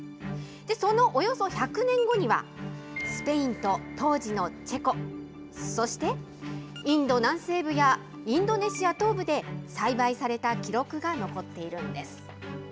そのおよそ１００年後には、スペインと当時のチェコ、そしてインド南西部やインドネシア東部で栽培された記録が残っているんです。